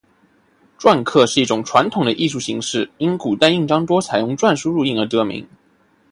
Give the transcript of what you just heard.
篆刻是一种传统的艺术形式，因古代印章多采用篆书入印而得名。